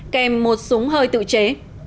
kèm một súng hơi tự chế